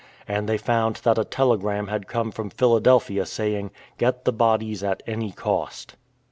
And they found that a telegram had come from Philadelphia saying, " Get the bodies at any cost."